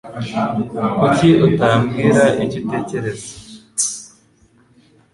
Kuki utambwira icyo utekereza?